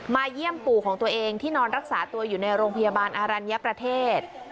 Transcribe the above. เยี่ยมปู่ของตัวเองที่นอนรักษาตัวอยู่ในโรงพยาบาลอรัญญประเทศ